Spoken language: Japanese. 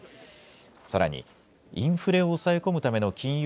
さらにインフレを抑え込むための金融